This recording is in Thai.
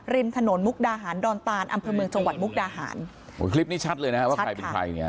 ริมถนนมุกดาหารดอนตานอำเภอเมืองจังหวัดมุกดาหารโอ้คลิปนี้ชัดเลยนะฮะว่าใครเป็นใครเนี่ย